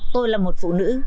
tôi là một phụ nữ